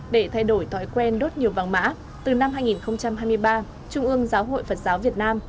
để thay đổi thói quen đốt nhiều vàng mã từ năm hai nghìn hai mươi ba trung ương giáo hội phật giáo việt nam